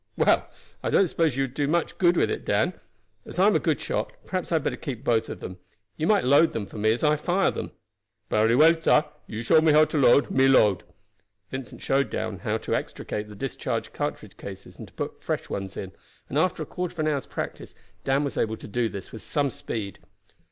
"Well, I don't suppose you would do much good with it, Dan. As I am a good shot, perhaps I had better keep them both. You might load them for me as I fire them." "Berry well, sah; you show me how to load, me load." Vincent showed Dan how to extricate the discharged cartridge cases and to put in fresh ones, and after a quarter of an hour's practice Dan was able to do this with some speed.